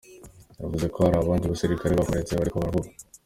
Yavuze ko hari abandi basirikare bakomeretse bariko baravugwa.